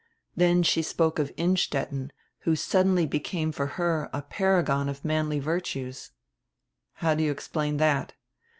Then she spoke of Innstetten, who suddenly became for her a paragon of manly virtues." "How do you explain that?"